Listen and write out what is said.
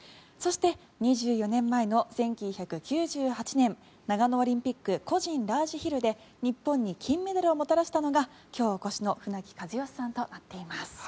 そして、２４年前の１９９８年長野オリンピック個人ラージヒルで日本に金メダルをもたらしたのが今日お越しの船木和喜さんとなっています。